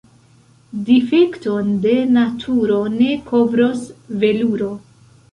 Difekton de naturo ne kovros veluro.